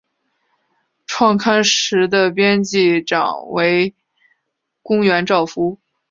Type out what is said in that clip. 创刊时的编辑长为宫原照夫。